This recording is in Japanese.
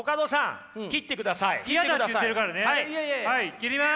切ります！